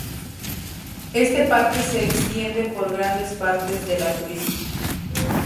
Este parque se extiende por grandes partes de la Twist.